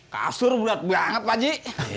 kasur bulat banget pakcik lin